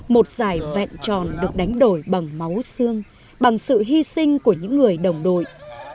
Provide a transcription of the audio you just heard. một giải vẹn tròn được đánh đổi bằng máu xương bằng sự hy sinh của những người đồng đội